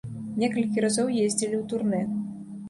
Некалькі разоў ездзілі ў турне.